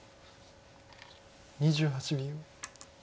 ２８秒。